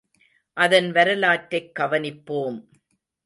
அதன் வரலாற்றைக் கவனிப்போம்.